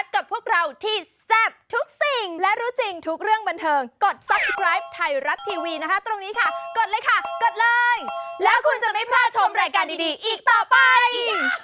ใช่เป็นเพื่อนกันก็ได้